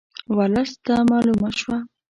ورلسټ ته معلومه شوه.